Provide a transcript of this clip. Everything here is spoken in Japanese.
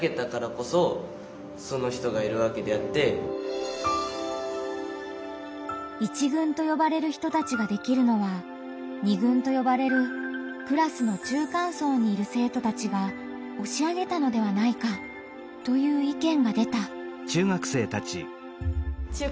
庶民というか１軍とよばれる人たちができるのは２軍とよばれるクラスの中間層にいる生徒たちが押し上げたのではないかという意見が出た。